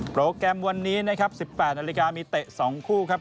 โปรแกรมวันนี้นะครับ๑๘นาฬิกามีเตะ๒คู่ครับ